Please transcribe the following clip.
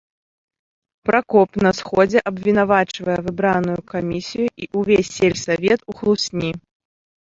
Пракоп на сходзе абвінавачвае выбраную камісію і ўвесь сельсавет у хлусні.